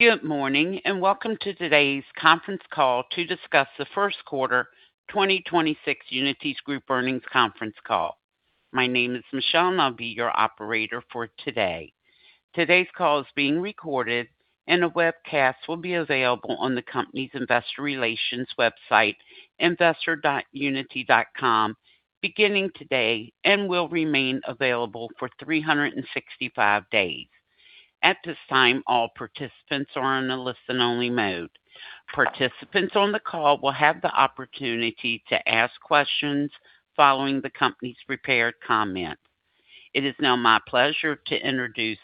Good morning, and welcome to today's conference call to discuss the first quarter 2026 Uniti Group earnings conference call. My name is Michelle, and I'll be your operator for today. Today's call is being recorded and a webcast will be available on the company's investor relations website, investor.uniti.com beginning today and will remain available for 365 days. At this time, all participants are on a listen-only mode. Participants on the call will have the opportunity to ask questions following the company's prepared comments. It is now my pleasure to introduce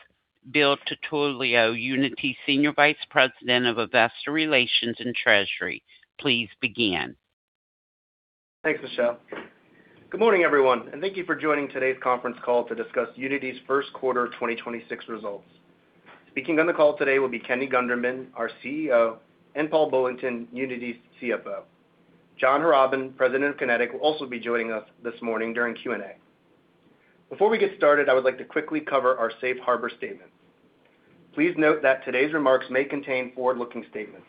Bill DiTullio, Uniti Senior Vice President of Investor Relations and Treasury. Please begin. Thanks, Michelle. Good morning, everyone, and thank you for joining today's conference call to discuss Uniti's first quarter 2026 results. Speaking on the call today will be Kenny Gunderman, our CEO, and Paul Bullington, Uniti's CFO. John Harrobin, President of Kinetic, will also be joining us this morning during Q&A. Before we get started, I would like to quickly cover our safe harbor statement. Please note that today's remarks may contain forward-looking statements.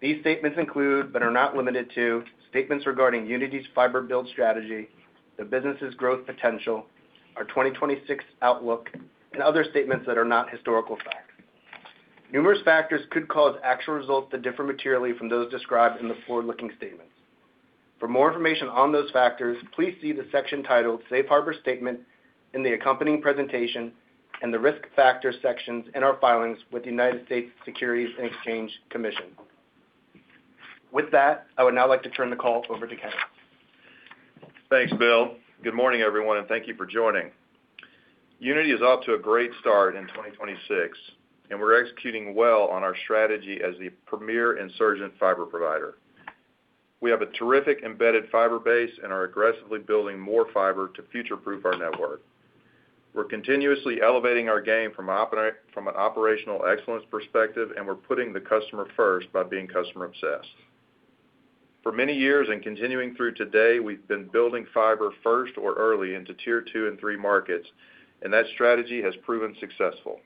These statements include, but are not limited to, statements regarding Uniti's fiber build strategy, the business' growth potential, our 2026 outlook, and other statements that are not historical facts. Numerous factors could cause actual results to differ materially from those described in the forward-looking statements. For more information on those factors, please see the section titled Safe Harbor Statement in the accompanying presentation and the Risk Factors sections in our filings with the United States Securities and Exchange Commission. With that, I would now like to turn the call over to Kenny. Thanks, Bill DiTullio. Good morning, everyone, and thank you for joining. Uniti is off to a great start in 2026, and we're executing well on our strategy as the premier insurgent fiber provider. We have a terrific embedded fiber base and are aggressively building more fiber to future-proof our network. We're continuously elevating our game from an operational excellence perspective, and we're putting the customer first by being customer obsessed. For many years and continuing through today, we've been building fiber first or early into tier 2 and 3 markets, and that strategy has proven successful.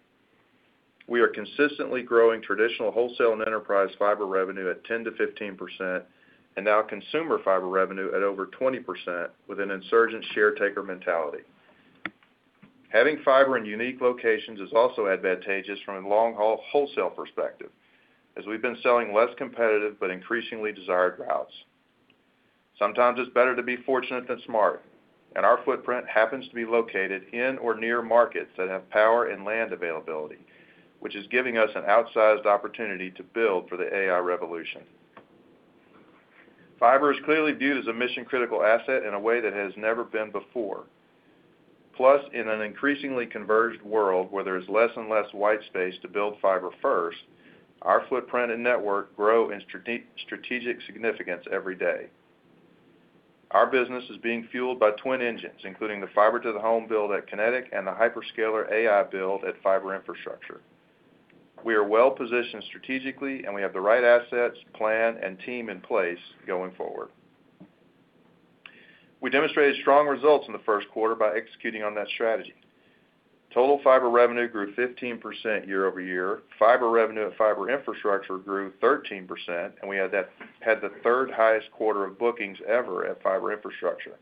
We are consistently growing traditional wholesale and enterprise fiber revenue at 10%-15% and now consumer fiber revenue at over 20% with an insurgent share taker mentality. Having fiber in unique locations is also advantageous from a long-haul wholesale perspective, as we've been selling less competitive but increasingly desired routes. Sometimes it's better to be fortunate than smart, and our footprint happens to be located in or near markets that have power and land availability, which is giving us an outsized opportunity to build for the AI revolution. Fiber is clearly viewed as a mission-critical asset in a way that has never been before. Plus, in an increasingly converged world where there is less and less white space to build fiber first, our footprint and network grow in strategic significance every day. Our business is being fueled by twin engines, including the fiber to the home build at Kinetic and the hyperscaler AI build at Fiber Infrastructure. We are well-positioned strategically, and we have the right assets, plan, and team in place going forward. We demonstrated strong results in the first quarter by executing on that strategy. Total fiber revenue grew 15% year-over-year. Fiber revenue at Fiber Infrastructure grew 13%, and we had the third highest quarter of bookings ever at Fiber Infrastructure.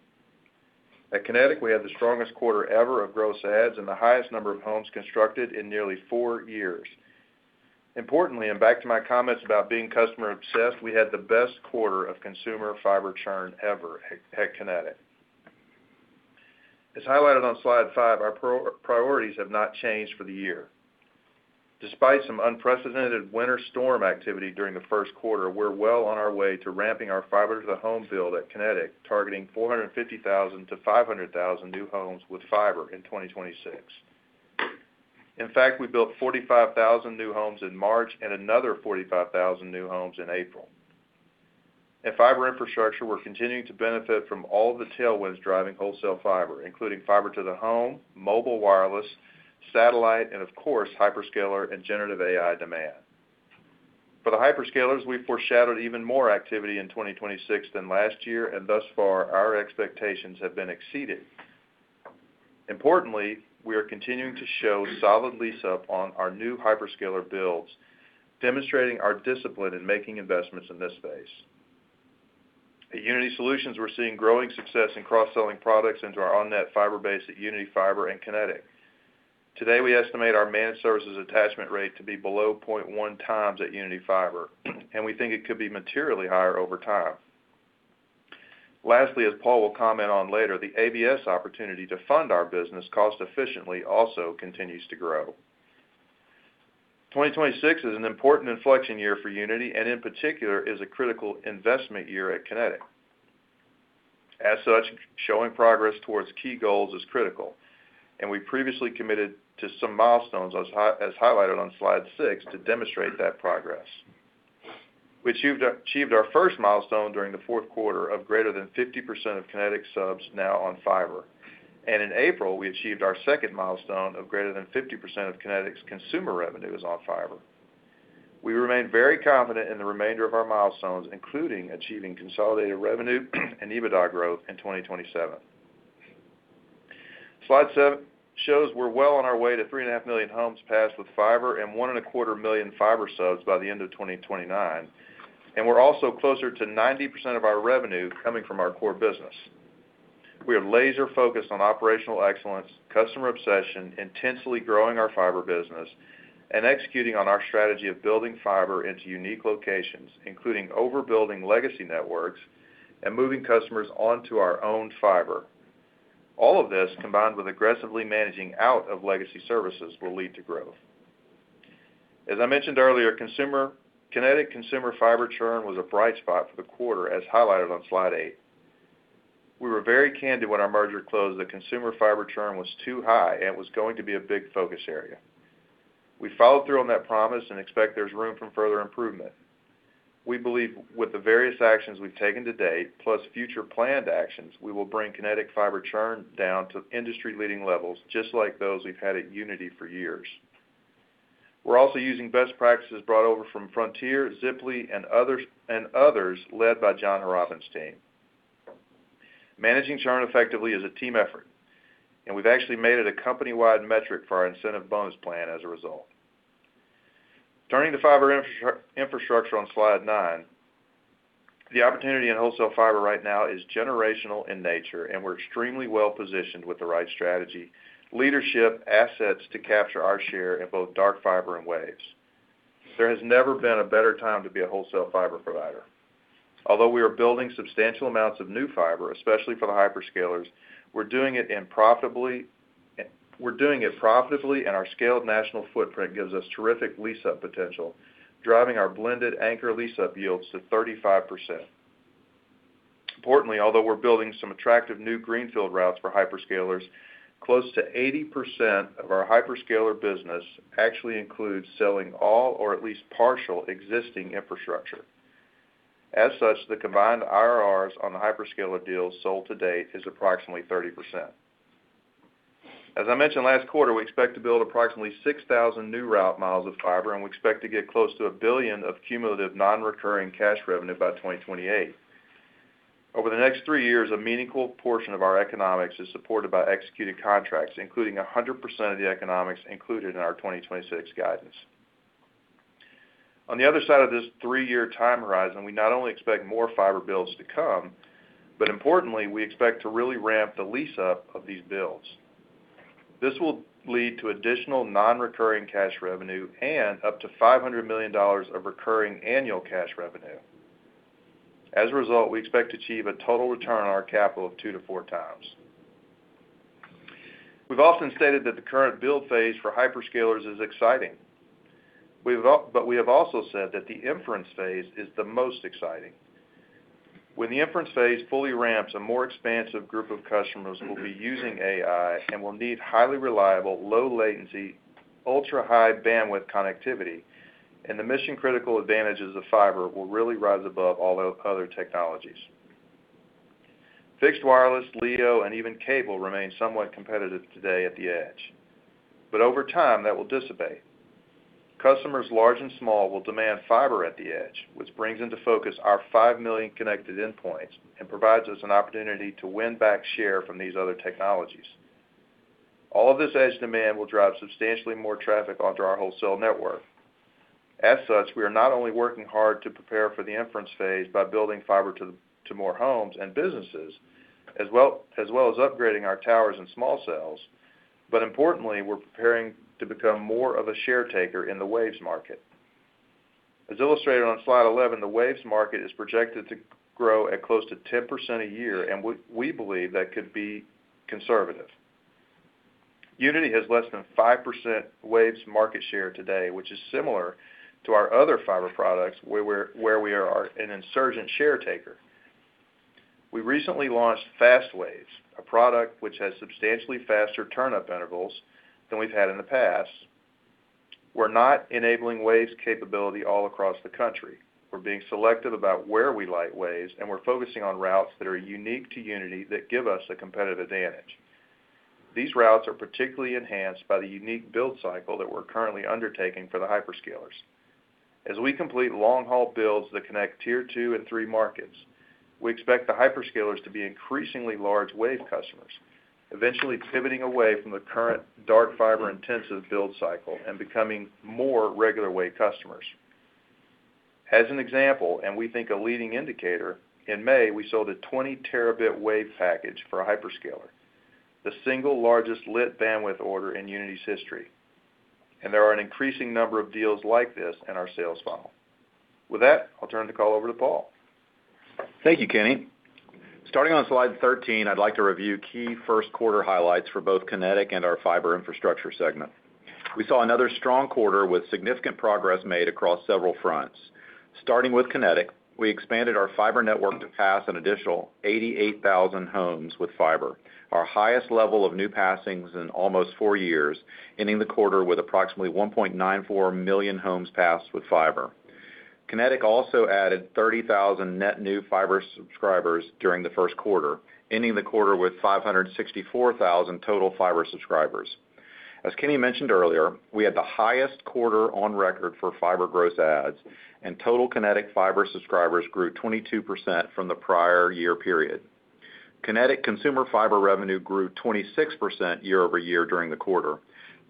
At Kinetic, we had the strongest quarter ever of gross adds and the highest number of homes constructed in nearly four years. Importantly, and back to my comments about being customer obsessed, we had the best quarter of consumer fiber churn ever at Kinetic. As highlighted on slide five, our priorities have not changed for the year. Despite some unprecedented winter storm activity during the first quarter, we're well on our way to ramping our fiber to the home build at Kinetic, targeting 450,000-500,000 new homes with fiber in 2026. In fact, we built 45,000 new homes in March and another 45,000 new homes in April. At Fiber Infrastructure, we're continuing to benefit from all the tailwinds driving wholesale fiber, including fiber to the home, mobile wireless, satellite, and of course, hyperscaler and generative AI demand. For the hyperscalers, we foreshadowed even more activity in 2026 than last year, and thus far, our expectations have been exceeded. Importantly, we are continuing to show solid lease up on our new hyperscaler builds, demonstrating our discipline in making investments in this space. At Uniti Solutions, we're seeing growing success in cross-selling products into our on net fiber base at Uniti Fiber and Kinetic. Today, we estimate our managed services attachment rate to be below 0.1 times at Uniti Fiber, and we think it could be materially higher over time. As Paul will comment on later, the ABS opportunity to fund our business cost efficiently also continues to grow. 2026 is an important inflection year for Uniti, and in particular, is a critical investment year at Kinetic. Showing progress towards key goals is critical, and we previously committed to some milestones as highlighted on slide six to demonstrate that progress. We achieved our first milestone during the fourth quarter of greater than 50% of Kinetic subs now on fiber. In April, we achieved our second milestone of greater than 50% of Kinetic's consumer revenue is on fiber. We remain very confident in the remainder of our milestones, including achieving consolidated revenue and EBITDA growth in 2027. Slide seven shows we're well on our way to 3.5 million homes passed with fiber and 1.25 million fiber subs by the end of 2029. We're also closer to 90% of our revenue coming from our core business. We are laser focused on operational excellence, customer obsession, intensely growing our fiber business, and executing on our strategy of building fiber into unique locations, including overbuilding legacy networks and moving customers onto our own fiber. All of this, combined with aggressively managing out of legacy services, will lead to growth. As I mentioned earlier, Kinetic consumer fiber churn was a bright spot for the quarter, as highlighted on slide eight. We were very candid when our merger closed that consumer fiber churn was too high, and it was going to be a big focus area. We followed through on that promise and expect there's room for further improvement. We believe with the various actions we've taken to date, plus future planned actions, we will bring Kinetic fiber churn down to industry-leading levels, just like those we've had at Uniti for years. We're also using best practices brought over from Frontier, Ziply, and others, and others led by John Harrobin's team. Managing churn effectively is a team effort, and we've actually made it a company-wide metric for our incentive bonus plan as a result. Turning to Fiber Infrastructure on slide nine, the opportunity in wholesale fiber right now is generational in nature, and we're extremely well-positioned with the right strategy, leadership, assets to capture our share in both dark fiber and WAVES. There has never been a better time to be a wholesale fiber provider. Although we are building substantial amounts of new fiber, especially for the hyperscalers, we're doing it profitably, and our scaled national footprint gives us terrific lease-up potential, driving our blended anchor lease-up yields to 35%. Importantly, although we're building some attractive new greenfield routes for hyperscalers, close to 80% of our hyperscaler business actually includes selling all or at least partial existing infrastructure. As such, the combined IRRs on the hyperscaler deals sold to date is approximately 30%. As I mentioned last quarter, we expect to build approximately 6,000 new route miles of fiber, and we expect to get close to $1 billion of cumulative non-recurring cash revenue by 2028. Over the next three years, a meaningful portion of our economics is supported by executed contracts, including 100% of the economics included in our 2026 guidance. On the other side of this three year time horizon, we not only expect more fiber builds to come, but importantly, we expect to really ramp the lease-up of these builds. This will lead to additional non-recurring cash revenue and up to $500 million of recurring annual cash revenue. As a result, we expect to achieve a total return on our capital of two to four times. We've often stated that the current build phase for hyperscalers is exciting. We have also said that the inference phase is the most exciting. When the inference phase fully ramps, a more expansive group of customers will be using AI and will need highly reliable, low latency, ultra-high bandwidth connectivity, and the mission-critical advantages of fiber will really rise above all other technologies. Fixed wireless, LEO, and even cable remain somewhat competitive today at the edge. Over time, that will dissipate. Customers large and small will demand fiber at the edge, which brings into focus our 5 million connected endpoints and provides us an opportunity to win back share from these other technologies. All of this edge demand will drive substantially more traffic onto our wholesale network. As such, we are not only working hard to prepare for the inference phase by building fiber to more homes and businesses, as well as upgrading our towers and small cells, but importantly, we're preparing to become more of a share taker in the WAVES market. As illustrated on slide 11, the WAVES market is projected to grow at close to 10% a year, and we believe that could be conservative. Uniti has less than 5% WAVES market share today, which is similar to our other fiber products, where we are an insurgent share taker. We recently launched FastWaves, a product which has substantially faster turn-up intervals than we've had in the past. We're not enabling WAVES capability all across the country. We're being selective about where we light WAVES, and we're focusing on routes that are unique to Uniti that give us a competitive advantage. These routes are particularly enhanced by the unique build cycle that we're currently undertaking for the hyperscalers. As we complete long-haul builds that connect tier 2 and 3 markets, we expect the hyperscalers to be increasingly large WAVES customers, eventually pivoting away from the current dark fiber-intensive build cycle and becoming more regular WAVES customers. As an example, and we think a leading indicator, in May, we sold a 20 terabit WAVE package for a hyperscaler, the single largest lit bandwidth order in Uniti's history. There are an increasing number of deals like this in our sales funnel. With that, I'll turn the call over to Paul. Thank you, Kenny. Starting on slide 13, I'd like to review key first quarter highlights for both Kinetic and our Fiber Infrastructure segment. We saw another strong quarter with significant progress made across several fronts. Starting with Kinetic, we expanded our fiber network to pass an additional 88,000 homes with fiber, our highest level of new passings in almost four years, ending the quarter with approximately 1.94 million homes passed with fiber. Kinetic also added 30,000 net new fiber subscribers during the first quarter, ending the quarter with 564,000 total fiber subscribers. As Kenny mentioned earlier, we had the highest quarter on record for fiber gross adds, and total Kinetic Fiber subscribers grew 22% from the prior year period. Kinetic consumer fiber revenue grew 26% year-over-year during the quarter.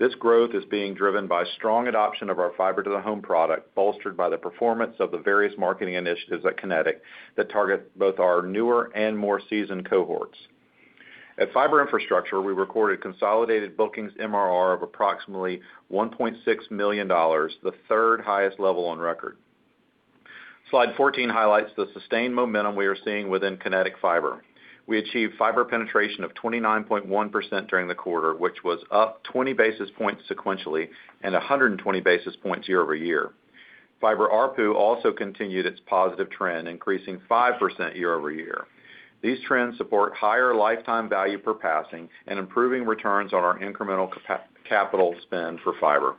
This growth is being driven by strong adoption of our fiber to the home product, bolstered by the performance of the various marketing initiatives at Kinetic that target both our newer and more seasoned cohorts. At Fiber Infrastructure, we recorded consolidated bookings MRR of approximately $1.6 million, the third highest level on record. Slide 14 highlights the sustained momentum we are seeing within Kinetic Fiber. We achieved fiber penetration of 29.1% during the quarter, which was up 20 basis points sequentially and 120 basis points year-over-year. Fiber ARPU also continued its positive trend, increasing 5% year-over-year. These trends support higher lifetime value per passing and improving returns on our incremental capital spend for fiber.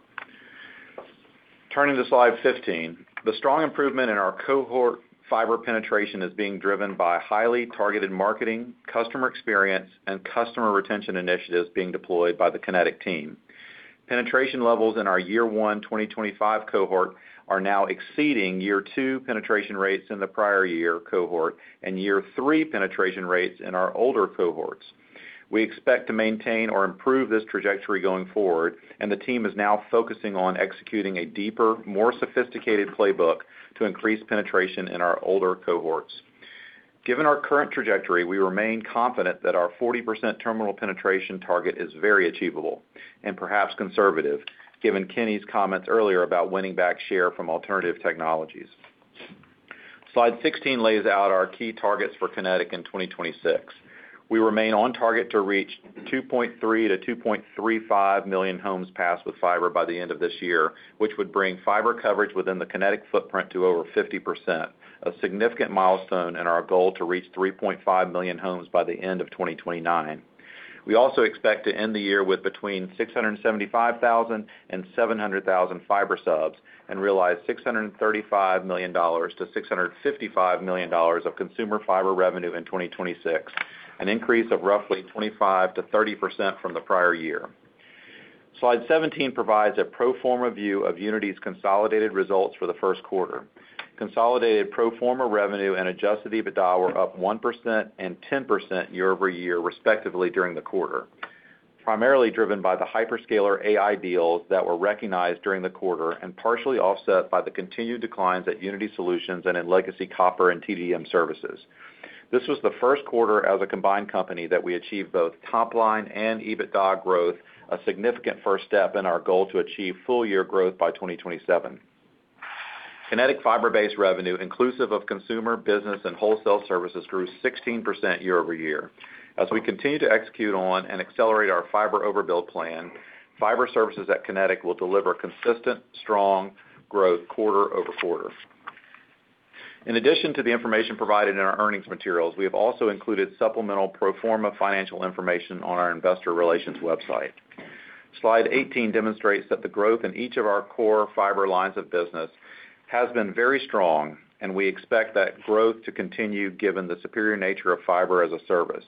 Turning to slide 15, the strong improvement in our cohort fiber penetration is being driven by highly targeted marketing, customer experience, and customer retention initiatives being deployed by the Kinetic team. Penetration levels in our year one 2025 cohort are now exceeding year two penetration rates in the prior year cohort and year three penetration rates in our older cohorts. We expect to maintain or improve this trajectory going forward, and the team is now focusing on executing a deeper, more sophisticated playbook to increase penetration in our older cohorts. Given our current trajectory, we remain confident that our 40% terminal penetration target is very achievable and perhaps conservative, given Kenny's comments earlier about winning back share from alternative technologies. Slide 16 lays out our key targets for Kinetic in 2026. We remain on target to reach 2.3 million-2.35 million homes passed with fiber by the end of this year, which would bring fiber coverage within the Kinetic footprint to over 50%, a significant milestone in our goal to reach 3.5 million homes by the end of 2029. We also expect to end the year with between 675,000 and 700,000 fiber subs and realize $635 million-$655 million of consumer fiber revenue in 2026, an increase of roughly 25%-30% from the prior year. Slide 17 provides a pro forma view of Uniti's consolidated results for the first quarter. Consolidated pro forma revenue and adjusted EBITDA were up 1% and 10% year-over-year, respectively, during the quarter, primarily driven by the hyperscaler AI deals that were recognized during the quarter and partially offset by the continued declines at Uniti Solutions and in legacy copper and TDM services. This was the first quarter as a combined company that we achieved both top line and EBITDA growth, a significant first step in our goal to achieve full year growth by 2027. Kinetic fiber-based revenue, inclusive of consumer, business, and wholesale services, grew 16% year-over-year. As we continue to execute on and accelerate our fiber overbuild plan, fiber services at Kinetic will deliver consistent, strong growth quarter-over-quarter. In addition to the information provided in our earnings materials, we have also included supplemental pro forma financial information on our investor relations website. Slide 18 demonstrates that the growth in each of our core fiber lines of business has been very strong, and we expect that growth to continue given the superior nature of fiber as a service.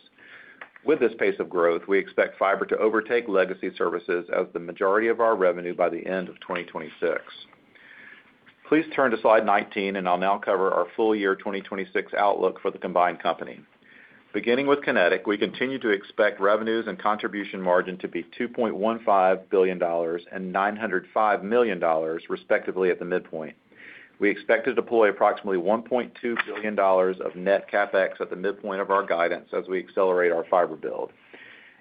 With this pace of growth, we expect fiber to overtake legacy services as the majority of our revenue by the end of 2026. Please turn to slide 19. I'll now cover our full year 2026 outlook for the combined company. Beginning with Kinetic, we continue to expect revenues and contribution margin to be $2.15 billion and $905 million respectively at the midpoint. We expect to deploy approximately $1.2 billion of net CapEx at the midpoint of our guidance as we accelerate our fiber build.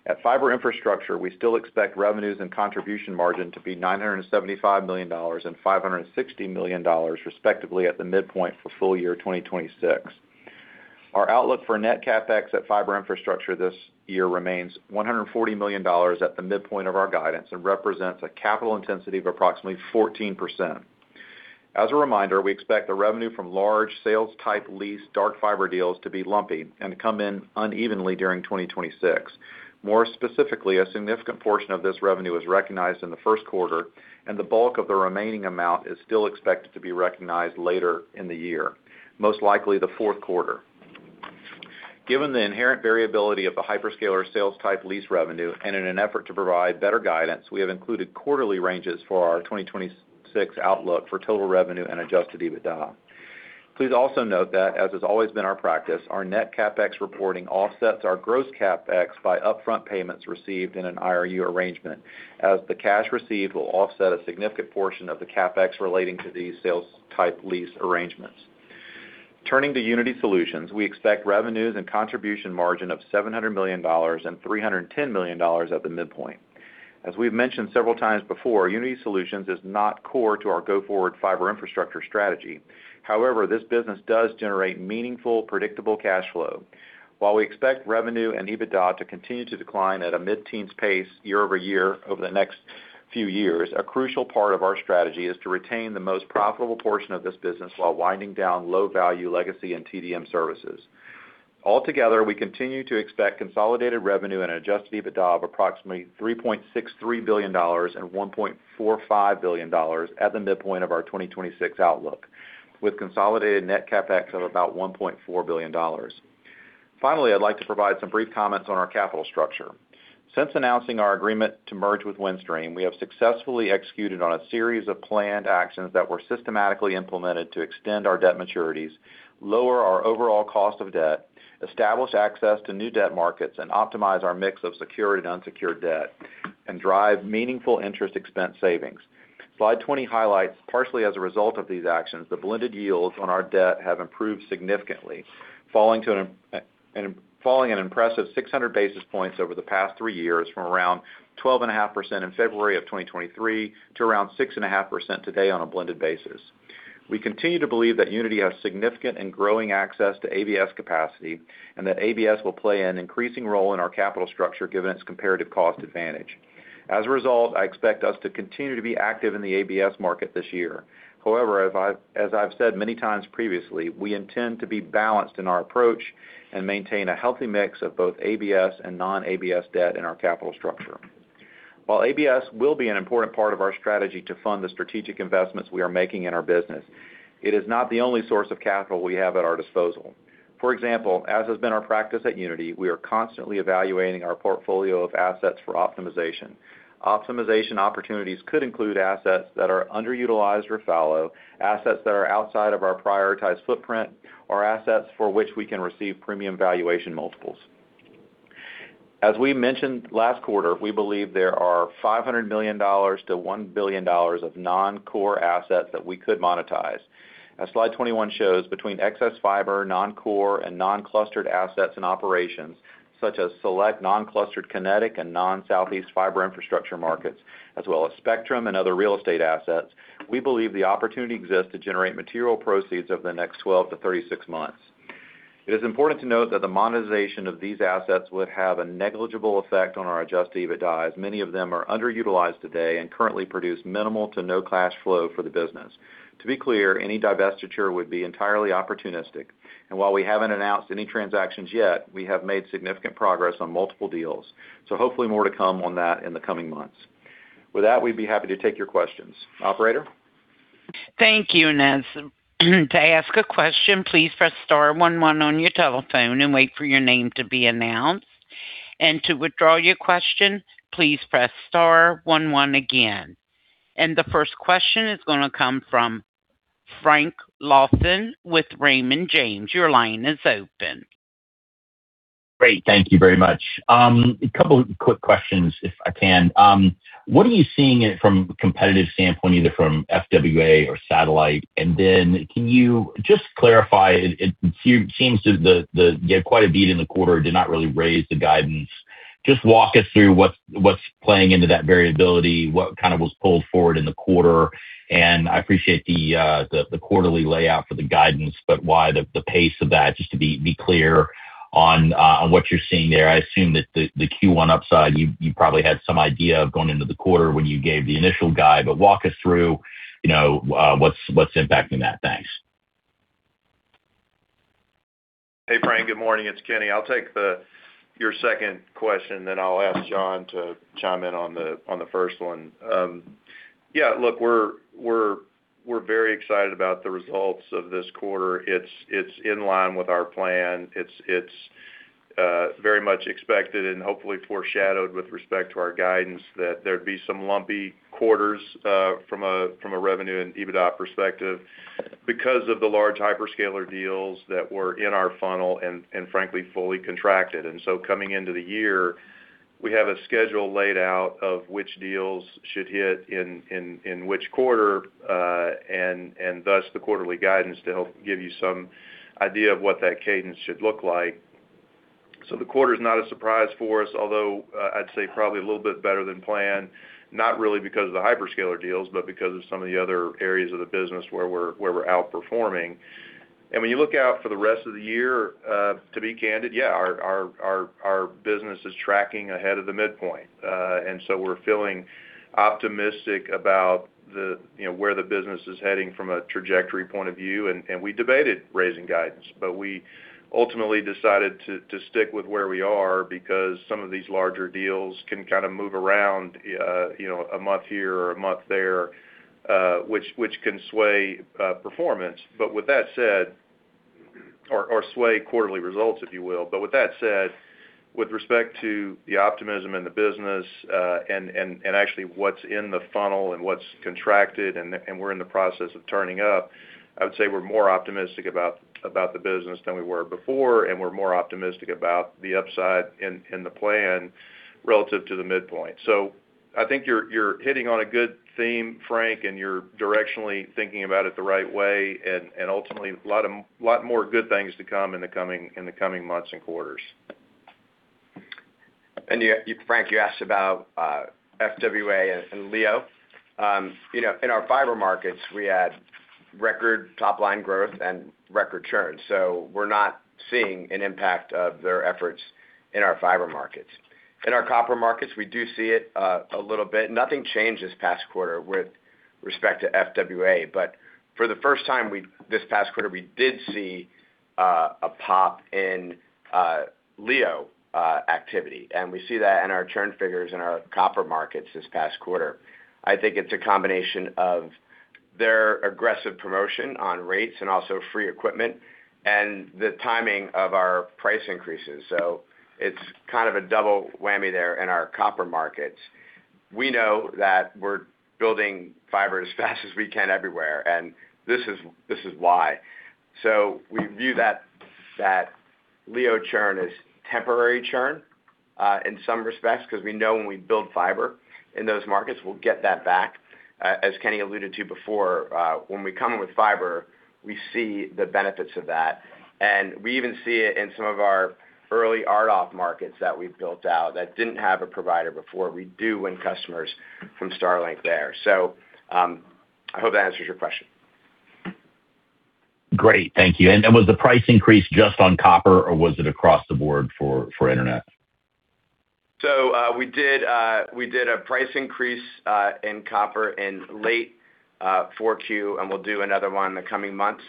At Fiber Infrastructure, we still expect revenues and contribution margin to be $975 million and $560 million respectively at the midpoint for full year 2026. Our outlook for net CapEx at Fiber Infrastructure this year remains $140 million at the midpoint of our guidance and represents a capital intensity of approximately 14%. As a reminder, we expect the revenue from large sales-type lease dark fiber deals to be lumpy and to come in unevenly during 2026. More specifically, a significant portion of this revenue is recognized in the first quarter, and the bulk of the remaining amount is still expected to be recognized later in the year, most likely the fourth quarter. Given the inherent variability of the hyperscaler sales-type lease revenue and in an effort to provide better guidance, we have included quarterly ranges for our 2026 outlook for total revenue and adjusted EBITDA. Please also note that as has always been our practice, our net CapEx reporting offsets our gross CapEx by upfront payments received in an IRU arrangement, as the cash received will offset a significant portion of the CapEx relating to these sales-type lease arrangements. Turning to Uniti Solutions, we expect revenues and contribution margin of $700 million and $310 million at the midpoint. As we've mentioned several times before, Uniti Solutions is not core to our go-forward Fiber Infrastructure strategy. However, this business does generate meaningful, predictable cash flow. While we expect revenue and EBITDA to continue to decline at a mid-teens pace year-over-year over the next few years, a crucial part of our strategy is to retain the most profitable portion of this business while winding down low-value legacy and TDM services. Altogether, we continue to expect consolidated revenue and adjusted EBITDA of approximately $3.63 billion and $1.45 billion at the midpoint of our 2026 outlook, with consolidated net CapEx of about $1.4 billion. Finally, I'd like to provide some brief comments on our capital structure. Since announcing our agreement to merge with Windstream, we have successfully executed on a series of planned actions that were systematically implemented to extend our debt maturities, lower our overall cost of debt, establish access to new debt markets, and optimize our mix of secured and unsecured debt and drive meaningful interest expense savings. Slide 20 highlights partially as a result of these actions, the blended yields on our debt have improved significantly, falling an impressive 600 basis points over the past three years from around 12.5% in February 2023 to around 6.5% today on a blended basis. We continue to believe that Uniti has significant and growing access to ABS capacity and that ABS will play an increasing role in our capital structure given its comparative cost advantage. As a result, I expect us to continue to be active in the ABS market this year. However, as I've said many times previously, we intend to be balanced in our approach and maintain a healthy mix of both ABS and non-ABS debt in our capital structure. While ABS will be an important part of our strategy to fund the strategic investments we are making in our business, it is not the only source of capital we have at our disposal. For example, as has been our practice at Uniti, we are constantly evaluating our portfolio of assets for optimization. Optimization opportunities could include assets that are underutilized or fallow, assets that are outside of our prioritized footprint, or assets for which we can receive premium valuation multiples. As we mentioned last quarter, we believe there are $500 million to $1 billion of non-core assets that we could monetize. As slide 21 shows, between excess fiber, non-core, and non-clustered assets and operations, such as select non-clustered Kinetic and non-southeast Fiber Infrastructure markets, as well as spectrum and other real estate assets, we believe the opportunity exists to generate material proceeds over the next 12 to 36 months. It is important to note that the monetization of these assets would have a negligible effect on our adjusted EBITDA, as many of them are underutilized today and currently produce minimal to no cash flow for the business. To be clear, any divestiture would be entirely opportunistic. While we haven't announced any transactions yet, we have made significant progress on multiple deals. Hopefully more to come on that in the coming months. With that, we'd be happy to take your questions. Operator? Thank you, Ness. To ask a question, please press star one one on your telephone and wait for your name to be announced. To withdraw your question, please press star one one again. The first question is going to come from Frank Louthan with Raymond James. Your line is open. Great. Thank you very much. A couple of quick questions if I can. What are you seeing it from a competitive standpoint, either from FWA or satellite? Can you just clarify, you had quite a beat in the quarter, did not really raise the guidance. Just walk us through what's playing into that variability, what kind of was pulled forward in the quarter. I appreciate the quarterly layout for the guidance, but why the pace of that, just to be clear on what you're seeing there. I assume that the Q1 upside, you probably had some idea of going into the quarter when you gave the initial guide. Walk us through, you know, what's impacting that. Thanks. Hey, Frank. Good morning. It's Kenny. I'll take your second question, then I'll ask John to chime in on the first one. Yeah, look, we're very excited about the results of this quarter. It's in line with our plan. It's very much expected and hopefully foreshadowed with respect to our guidance that there'd be some lumpy quarters from a revenue and EBITDA perspective because of the large hyperscaler deals that were in our funnel and, frankly, fully contracted. Coming into the year, we have a schedule laid out of which deals should hit in which quarter, and thus the quarterly guidance to help give you some idea of what that cadence should look like. The quarter's not a surprise for us, although, I'd say probably a little bit better than planned, not really because of the hyperscaler deals, but because of some of the other areas of the business where we're outperforming. When you look out for the rest of the year, to be candid, yeah, our business is tracking ahead of the midpoint. We're feeling optimistic about the, you know, where the business is heading from a trajectory point of view. We debated raising guidance, but we ultimately decided to stick with where we are because some of these larger deals can kind of move around, you know, a month here or a month there, which can sway performance. With that said, or sway quarterly results, if you will. With that said, with respect to the optimism in the business, and actually what's in the funnel and what's contracted and we're in the process of turning up, I would say we're more optimistic about the business than we were before, and we're more optimistic about the upside and the plan relative to the midpoint. I think you're hitting on a good theme, Frank, and you're directionally thinking about it the right way and ultimately, a lot more good things to come in the coming months and quarters. Yeah, Frank, you asked about FWA and LEO. You know, in our fiber markets, we had record top line growth and record churn. We're not seeing an impact of their efforts in our fiber markets. In our copper markets, we do see it a little bit. Nothing changed this past quarter with respect to FWA. For the first time, this past quarter, we did see a pop in LEO activity. We see that in our churn figures in our copper markets this past quarter. I think it's a combination of their aggressive promotion on rates and also free equipment and the timing of our price increases. It's kind of a double whammy there in our copper markets. We know that we're building fiber as fast as we can everywhere, this is why. We view that LEO churn as temporary churn, in some respects, because we know when we build fiber in those markets, we'll get that back. As Kenny alluded to before, when we come in with fiber, we see the benefits of that. We even see it in some of our early RDOF markets that we've built out that didn't have a provider before. We do win customers from Starlink there. I hope that answers your question. Great. Thank you. Was the price increase just on copper, or was it across the board for internet? we did a price increase in copper in late 4Q, and we'll do another one in the coming months.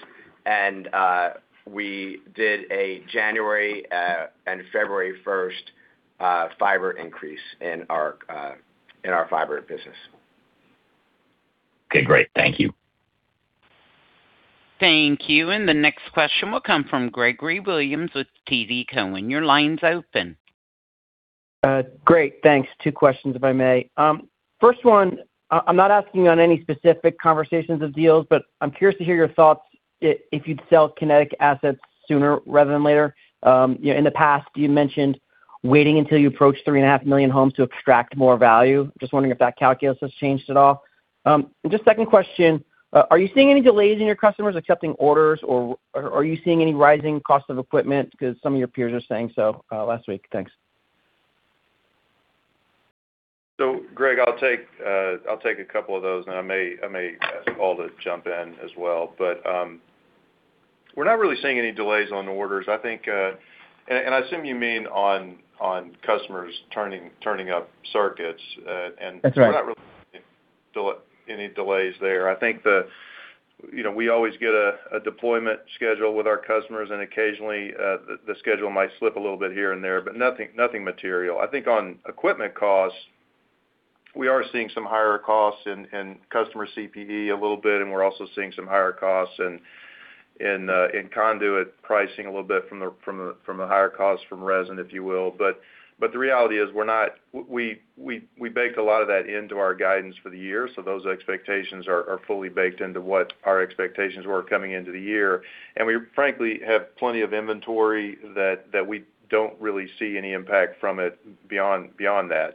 we did a January and February 1st fiber increase in our in our fiber business. Okay. Great. Thank you. Thank you. The next question will come from Gregory Williams with TD Cowen. Your line's open. Great. Thanks. Two questions, if I may. First one, I'm not asking on any specific conversations of deals, but I'm curious to hear your thoughts if you'd sell Kinetic assets sooner rather than later. You know, in the past, you mentioned waiting until you approach 3.5 million homes to extract more value. Just wondering if that calculus has changed at all. Just second question, are you seeing any delays in your customers accepting orders, or are you seeing any rising cost of equipment? Some of your peers are saying so last week. Thanks. Greg, I'll take a couple of those and I may ask Paul to jump in as well. We're not really seeing any delays on orders. I think, and I assume you mean on customers turning up circuits. That's right. We're not really seeing any delays there. I think, you know, we always get a deployment schedule with our customers, and occasionally, the schedule might slip a little bit here and there, but nothing material. I think on equipment costs, we are seeing some higher costs in customer CPE a little bit, and we're also seeing some higher costs in conduit pricing a little bit from the higher costs from resin, if you will. The reality is we baked a lot of that into our guidance for the year, so those expectations are fully baked into what our expectations were coming into the year. We frankly have plenty of inventory that we don't really see any impact from it beyond that.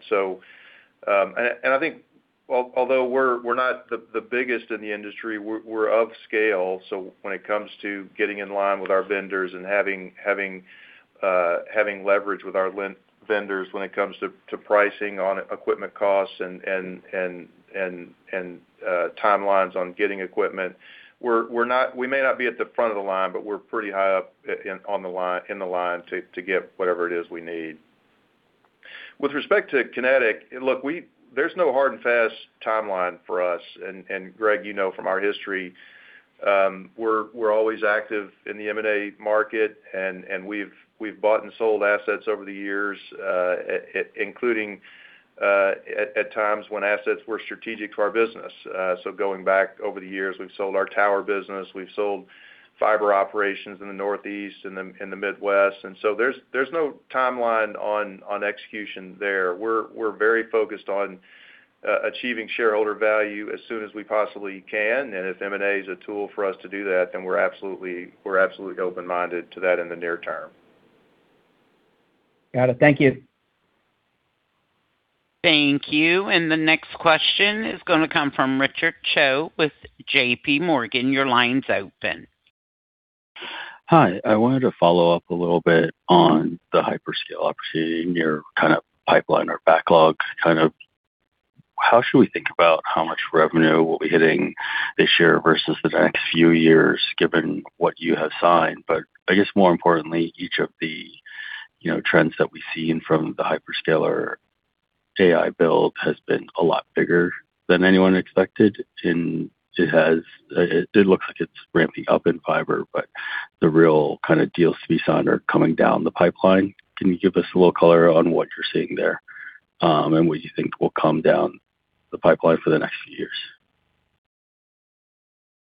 I think, although we're not the biggest in the industry, we're of scale. When it comes to getting in line with our vendors and having leverage with our vendors when it comes to pricing on equipment costs and timelines on getting equipment, we may not be at the front of the line, but we're pretty high up in the line to get whatever it is we need. With respect to Kinetic, look, there's no hard and fast timeline for us. Greg, you know, from our history, we're always active in the M&A market and we've bought and sold assets over the years, including at times when assets were strategic to our business. Going back over the years, we've sold our tower business, we've sold fiber operations in the Northeast and in the Midwest. There's no timeline on execution there. We're very focused on achieving shareholder value as soon as we possibly can. If M&A is a tool for us to do that, then we're absolutely open-minded to that in the near term. Got it. Thank you. Thank you. The next question is gonna come from Richard Choe with JPMorgan. Your line's open. Hi. I wanted to follow up a little bit on the hyperscale opportunity in your kind of pipeline or backlog, kind of how should we think about how much revenue we'll be hitting this year versus the next few years, given what you have signed? I guess more importantly, each of the, you know, trends that we've seen from the hyperscaler AI build has been a lot bigger than anyone expected, and it looks like it's ramping up in fiber. The real kind of deals to be signed are coming down the pipeline. Can you give us a little color on what you're seeing there, and what you think will come down the pipeline for the next few years?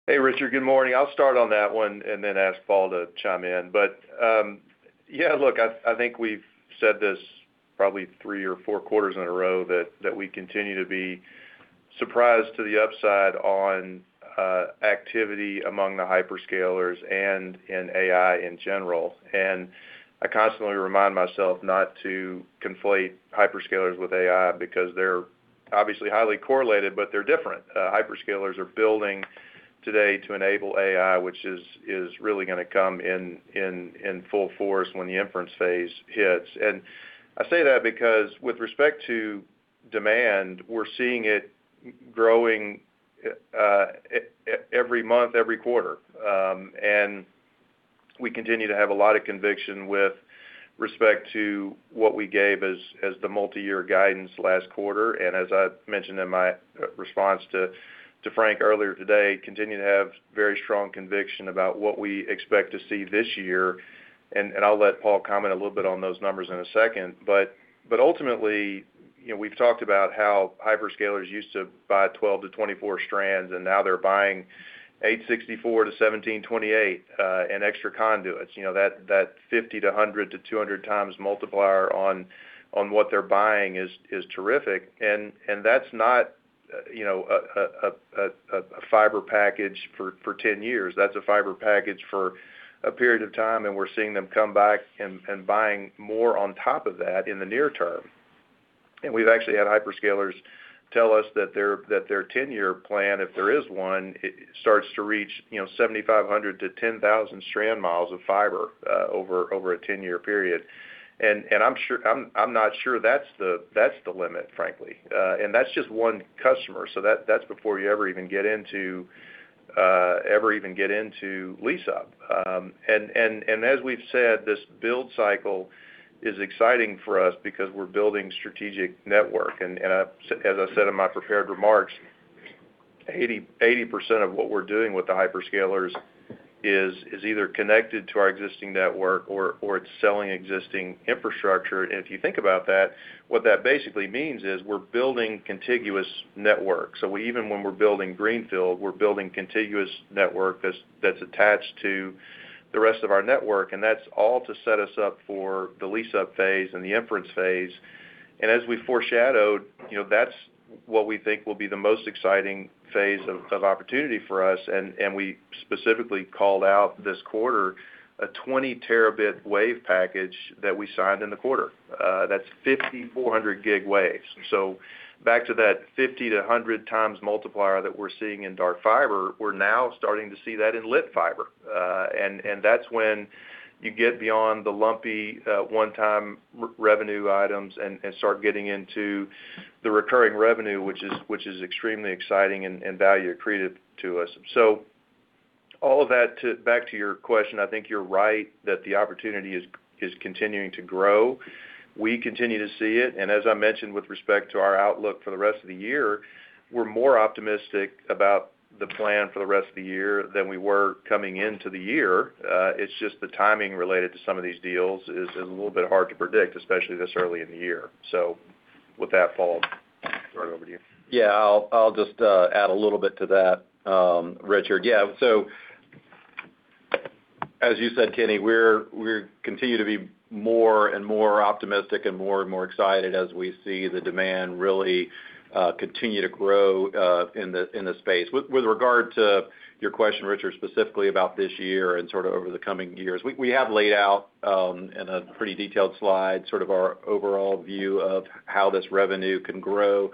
Hey, Richard. Good morning. I'll start on that one and then ask Paul to chime in. Yeah, look, I think we've said this probably three or four quarters in a row that we continue to be surprised to the upside on activity among the hyperscalers and in AI in general. I constantly remind myself not to conflate hyperscalers with AI because they're obviously highly correlated, but they're different. Hyperscalers are building today to enable AI, which is really gonna come in, in full force when the inference phase hits. I say that because with respect to demand, we're seeing it growing every month, every quarter. We continue to have a lot of conviction with respect to what we gave as the multi-year guidance last quarter. As I mentioned in my response to Frank Louthan earlier today, continue to have very strong conviction about what we expect to see this year. I'll let Paul comment a little bit on those numbers in a second. Ultimately, you know, we've talked about how hyperscalers used to buy 12 to 24 strands, and now they're buying 864 to 1,728, and extra conduits. You know, that 50 to 100 to 200 times multiplier on what they're buying is terrific. That's not, you know, a fiber package for 10 years. That's a fiber package for a period of time, and we're seeing them come back and buying more on top of that in the near term. We've actually had hyperscalers tell us that their, that their 10-year plan, if there is one, it starts to reach 7,500 to 10,000 strand miles of fiber over a 10-year period. I'm not sure that's the limit, frankly. That's just one customer, so that's before you ever even get into lease up. As we've said, this build cycle is exciting for us because we're building strategic network. As I said in my prepared remarks, 80% of what we're doing with the hyperscalers is either connected to our existing network or it's selling existing infrastructure. If you think about that, what that basically means is we're building contiguous network. Even when we're building greenfield, we're building contiguous network that's attached to the rest of our network, and that's all to set us up for the lease-up phase and the inference phase. As we foreshadowed, you know, that's what we think will be the most exciting phase of opportunity for us. We specifically called out this quarter a 20-terabit wave package that we signed in the quarter. That's 5,400 gig waves. Back to that 50 to 100 times multiplier that we're seeing in dark fiber, we're now starting to see that in lit fiber. That's when you get beyond the lumpy one-time re-revenue items and start getting into the recurring revenue, which is extremely exciting and value accretive to us. All of that back to your question, I think you're right that the opportunity is continuing to grow. We continue to see it, and as I mentioned with respect to our outlook for the rest of the year, we're more optimistic about the plan for the rest of the year than we were coming into the year. It's just the timing related to some of these deals is a little bit hard to predict, especially this early in the year. With that, Paul, throw it over to you. I'll just add a little bit to that, Richard. As you said, Kenny, we're continue to be more and more optimistic and more and more excited as we see the demand really continue to grow in the space. With regard to your question, Richard, specifically about this year and sort of over the coming years, we have laid out in a pretty detailed slide, sort of our overall view of how this revenue can grow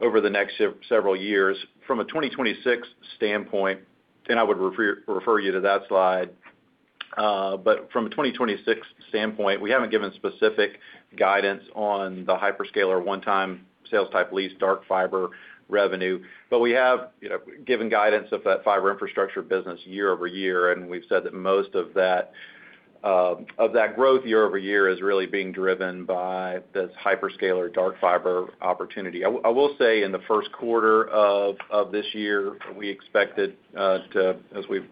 over the next several years. From a 2026 standpoint, I would refer you to that slide, from a 2026 standpoint, we haven't given specific guidance on the hyperscaler one-time sales-type lease dark fiber revenue. We have, you know, given guidance of that Fiber Infrastructure business year-over-year, and we've said that most of that of that growth year-over-year is really being driven by this hyperscaler dark fiber opportunity. I will say in the first quarter of this year, we expected to, as we've,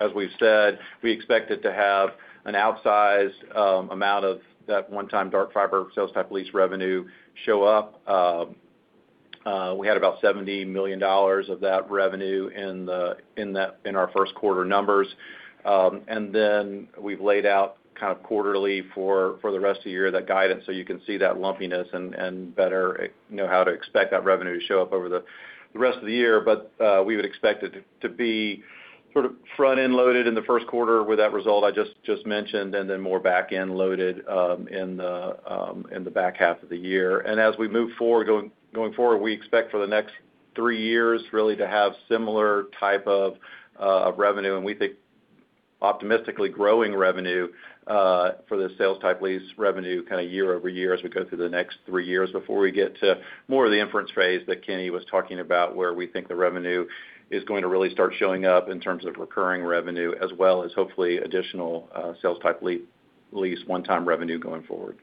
as we've said, we expected to have an outsized amount of that one-time dark fiber sales-type lease revenue show up. We had about $70 million of that revenue in that, in our first quarter numbers. Then we've laid out kind of quarterly for the rest of the year that guidance, so you can see that lumpiness and better know how to expect that revenue to show up over the rest of the year. We would expect it to be sort of front-end loaded in the first quarter with that result I just mentioned and then more back-end loaded in the back half of the year. As we move forward, going forward, we expect for the next three years really to have similar type of revenue. We think optimistically growing revenue for the sales-type lease revenue kind of year-over-year as we go through the next three years before we get to more of the inference phase that Kenny was talking about, where we think the revenue is going to really start showing up in terms of recurring revenue, as well as hopefully additional sales-type lease one-time revenue going forward.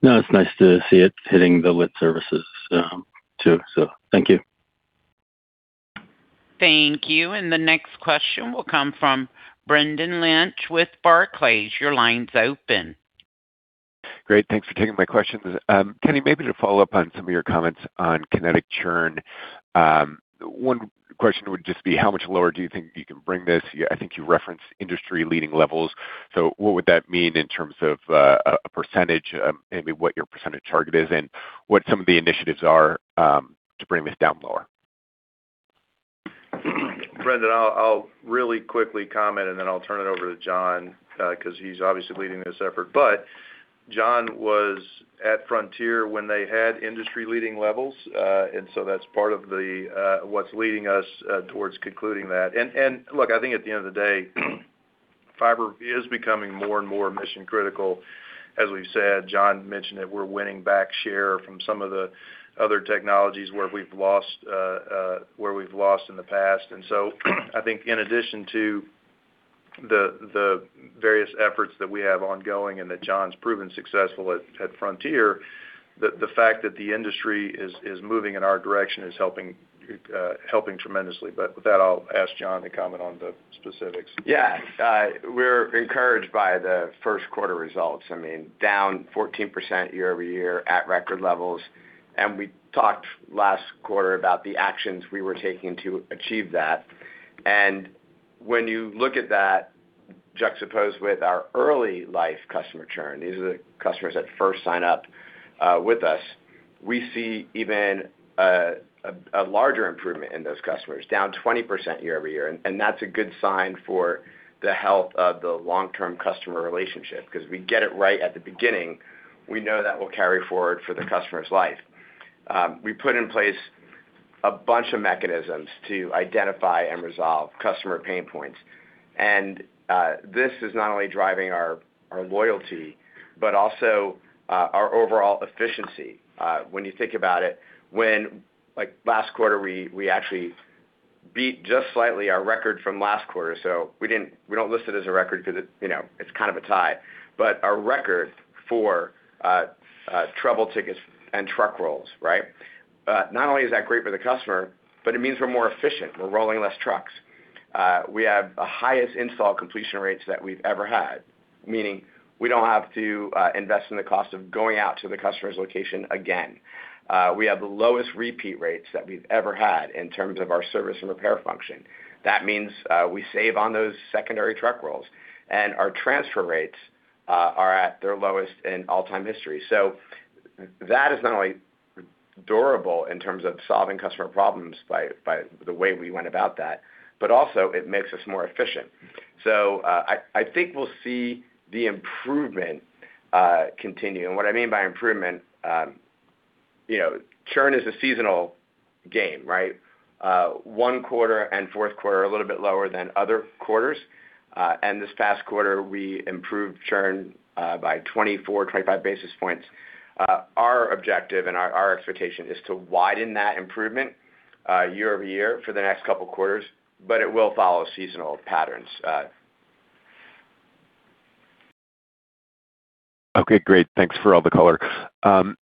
No, it's nice to see it hitting the lit services, too. Thank you. Thank you. The next question will come from Brendan Lynch with Barclays. Your line's open. Great. Thanks for taking my questions. Kenny, maybe to follow up on some of your comments on Kinetic churn, one question would just be, how much lower do you think you can bring this? I think you referenced industry-leading levels. What would that mean in terms of a percentage, maybe what your percentage target is and what some of the initiatives are to bring this down lower? Brendan, I'll really quickly comment and then I'll turn it over to John 'cause he's obviously leading this effort. John was at Frontier when they had industry-leading levels, and so that's part of the what's leading us towards concluding that. Look, I think at the end of the day, fiber is becoming more and more mission-critical. As we've said, John mentioned it, we're winning back share from some of the other technologies where we've lost in the past. I think in addition to the various efforts that we have ongoing and that John's proven successful at Frontier. The fact that the industry is moving in our direction is helping tremendously. With that, I'll ask John to comment on the specifics. Yeah. We're encouraged by the first quarter results. I mean, down 14% year-over-year at record levels. We talked last quarter about the actions we were taking to achieve that. When you look at that juxtaposed with our early life customer churn, these are the customers that first sign up with us, we see even a larger improvement in those customers, down 20% year-over-year. That's a good sign for the health of the long-term customer relationship because we get it right at the beginning, we know that will carry forward for the customer's life. We put in place a bunch of mechanisms to identify and resolve customer pain points. This is not only driving our loyalty, but also our overall efficiency. When you think about it, like last quarter, we actually beat just slightly our record from last quarter. We don't list it as a record because it, you know, it's kind of a tie, but a record for trouble tickets and truck rolls, right? Not only is that great for the customer, but it means we're more efficient. We're rolling less trucks. We have the highest install completion rates that we've ever had, meaning we don't have to invest in the cost of going out to the customer's location again. We have the lowest repeat rates that we've ever had in terms of our service and repair function. That means we save on those secondary truck rolls. Our transfer rates are at their lowest in all-time history. That is not only durable in terms of solving customer problems by the way we went about that, but also it makes us more efficient. I think we'll see the improvement continue. What I mean by improvement, you know, churn is a seasonal game, right? One quarter and fourth quarter are a little bit lower than other quarters. This past quarter, we improved churn by 24, 25 basis points. Our objective and our expectation is to widen that improvement year-over-year for the next couple quarters, but it will follow seasonal patterns. Okay, great. Thanks for all the color.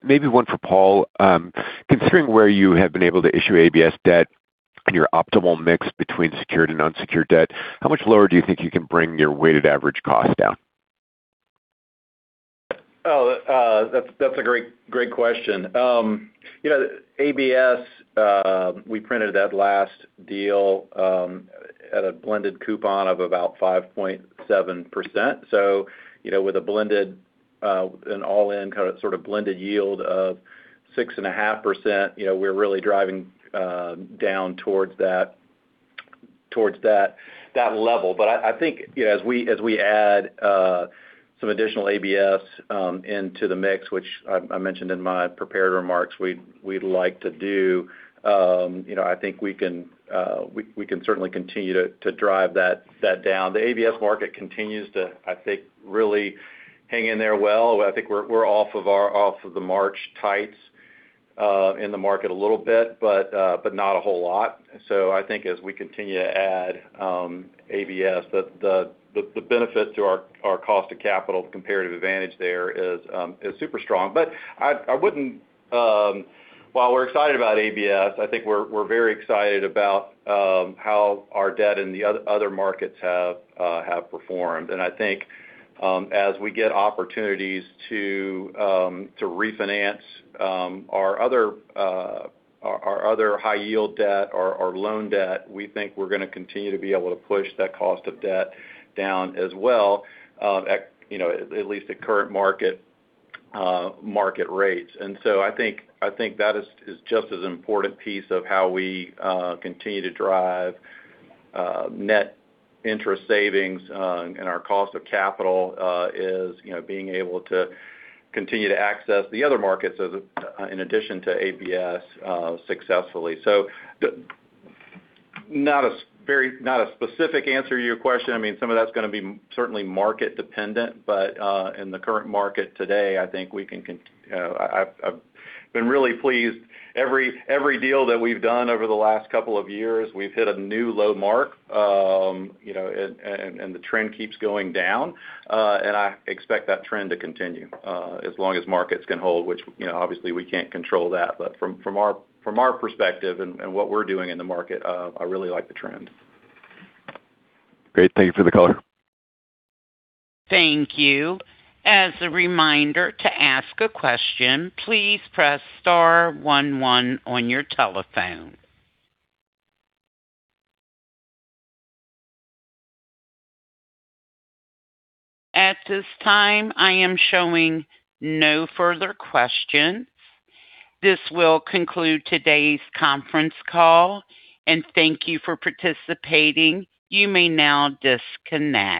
Maybe one for Paul. Considering where you have been able to issue ABS debt and your optimal mix between secured and unsecured debt, how much lower do you think you can bring your weighted average cost down? That's a great question. You know, ABS, we printed that last deal at a blended coupon of about 5.7%. You know, with a blended, an all-in kind of sort of blended yield of 6.5%, you know, we're really driving down towards that level. I think, you know, as we add some additional ABS into the mix, which I mentioned in my prepared remarks we'd like to do, you know, I think we can certainly continue to drive that down. The ABS market continues to, I think, really hang in there well. I think we're off of the March tights in the market a little bit, but not a whole lot. I think as we continue to add ABS, the benefit to our cost of capital, the comparative advantage there is super strong. I wouldn't While we're excited about ABS, I think we're very excited about how our debt in the other markets have performed. I think as we get opportunities to refinance our other high-yield debt or our loan debt, we think we're gonna continue to be able to push that cost of debt down as well, at, you know, at least at current market rates. I think that is just as important piece of how we continue to drive net interest savings and our cost of capital is, you know, being able to continue to access the other markets as in addition to ABS successfully. Not a specific answer to your question. I mean, some of that's gonna be certainly market dependent, in the current market today, I think we can, I've been really pleased. Every deal that we've done over the last couple of years, we've hit a new low mark, you know, and the trend keeps going down. I expect that trend to continue as long as markets can hold, which, you know, obviously we can't control that. From our perspective and what we're doing in the market, I really like the trend. Great. Thank you for the color. Thank you. As a reminder, to ask a question, please press star one one on your telephone. At this time, I am showing no further questions. This will conclude today's conference call. Thank you for participating. You may now disconnect.